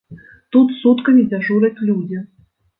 Тут суткамі дзяжураць людзі.